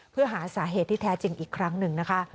เพื่อหาสาเหตุที่แท้จริงอีกครั้งหนึ่งนะคะ